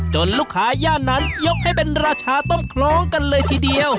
ลูกค้าย่านนั้นยกให้เป็นราชาต้มคล้องกันเลยทีเดียว